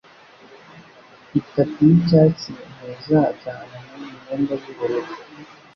Itapi yicyatsi ntizajyana niyi myenda yubururu.